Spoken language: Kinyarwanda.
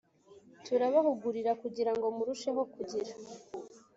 Turabahugurira kugira ngo murusheho kugira